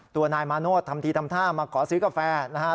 ตัวนายมาโนธทำทีทำท่ามาขอซื้อกาแฟนะครับ